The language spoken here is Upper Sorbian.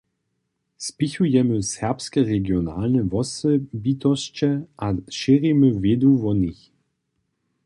Spěchujemy Serbske regionalne wosebitosće a šěrimy wědu wo nich.